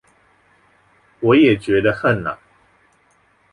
我也覺得恨啊